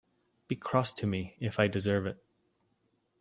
Be cross to me if I deserve it.